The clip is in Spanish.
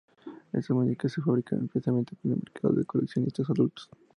Estas muñecas se fabrican expresamente para el mercado de coleccionistas adultos.